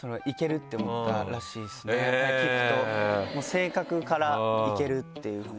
性格からいけるっていうふうに。